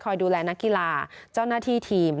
ดูแลนักกีฬาเจ้าหน้าที่ทีม